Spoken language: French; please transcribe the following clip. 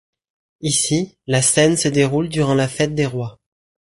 Ici, la scène se déroule durant la Fête des Rois.